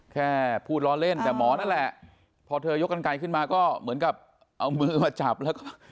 แค่พูดล้อเล่นแต่หมอนั่นแหละพอเธอยกกันไกลขึ้นมาก็เหมือนกับเอามือมาจับแล้วก็